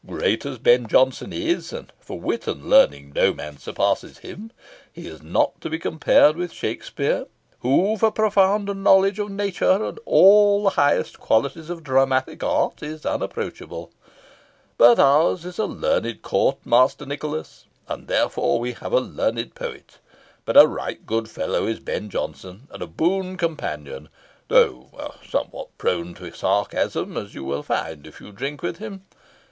"Great as Ben Jonson is, and for wit and learning no man surpasses him, he is not to be compared with Shakspeare, who for profound knowledge of nature, and of all the highest qualities of dramatic art, is unapproachable. But ours is a learned court, Master Nicholas, and therefore we have a learned poet; but a right good fellow is Ben Jonson, and a boon companion, though somewhat prone to sarcasm, as you will find if you drink with him.